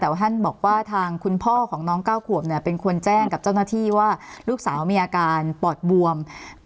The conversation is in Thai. แต่ว่าท่านบอกว่าทางคุณพ่อของน้อง๙ขวบเป็นคนแจ้งกับเจ้าหน้าที่ว่าลูกสาวมีอาการปอดบวม